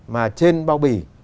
mà trên bao bì